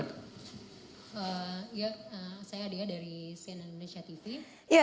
eh ya saya adia dari cnn indonesia tv